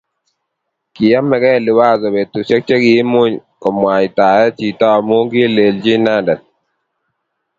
Kiamekei Liwazo betusiek che kiimuch komwaitae chito amu kilelchi inendet